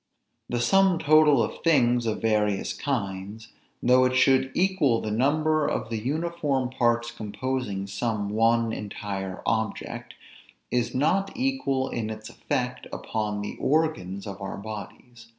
The sum total of things of various kinds, though it should equal the number of the uniform parts composing some one entire object, is not equal in its effect upon the organs of our bodies.